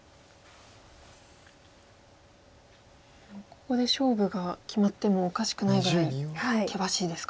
ここで勝負が決まってもおかしくないぐらい険しいですか。